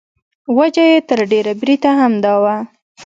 وجه یې تر ډېره بریده همدا وه.